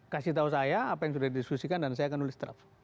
kasih tahu saya apa yang sudah didiskusikan dan saya akan nulis draft